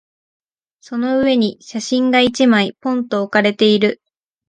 その上に写真が一枚、ぽんと置かれている。